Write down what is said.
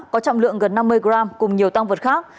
có trọng lượng gần năm mươi gram cùng nhiều tăng vật khác